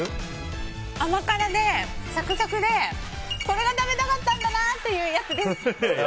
甘辛でサクサクで、これが食べたかったんだなってやつです。